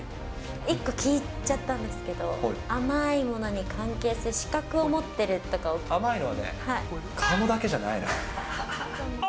一個聞いちゃったんですけど、甘ーいものに関係する資格を持っ甘いのはね、顔だけじゃないのよ。